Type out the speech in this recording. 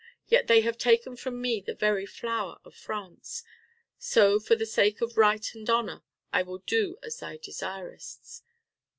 Yet they have taken from me the very flower of France, so for the sake of right and honor I will do as thou desirest."